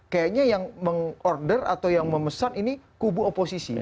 kayaknya yang meng order atau yang memesan ini kubu oposisi